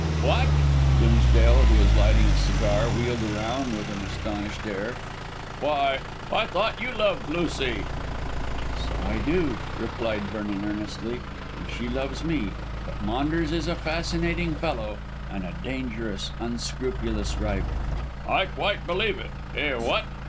"What!" Dimsdale, who was lighting a cigar, wheeled round with an astonished air. "Why, I thought you loved Lucy?" "So I do," replied Vernon earnestly, "and she loves me. But Maunders is a fascinating fellow and a dangerous, unscrupulous rival." "I quite believe it. Eh, what?